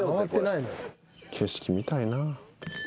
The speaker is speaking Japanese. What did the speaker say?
景色見たいな。